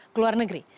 ke luar negeri